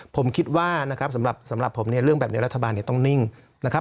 ผมคิดว่านะครับสำหรับสำหรับผมเนี่ยเรื่องแบบนี้รัฐบาลเนี่ยต้องนิ่งนะครับ